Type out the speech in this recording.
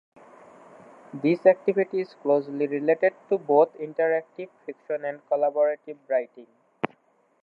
This activity is closely related to both interactive fiction and collaborative writing.